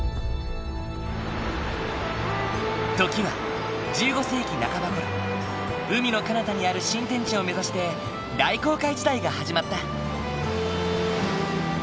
時は１５世紀半ばごろ海のかなたにある新天地を目指して大航海時代が始まった。